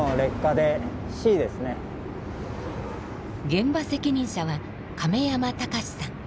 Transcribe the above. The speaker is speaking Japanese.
現場責任者は亀山隆志さん。